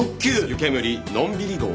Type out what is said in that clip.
ゆけむりのんびり号。